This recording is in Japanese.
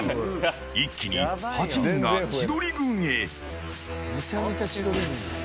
一気に８人が千鳥軍へ。